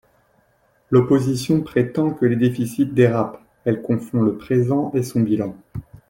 L’opposition prétend que les déficits dérapent, elle confond le présent et son bilan.